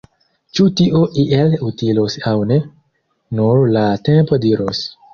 Ĉu tio iel utilos aŭ ne, nur la tempo diros!